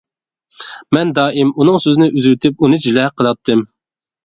مەن دائىم ئۇنىڭ سۆزىنى ئۈزۈۋېتىپ ئۇنى جىلە قىلاتتىم.